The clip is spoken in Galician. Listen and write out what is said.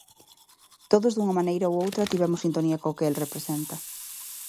Todos dunha maneira ou outra tivemos sintonía co que el representa.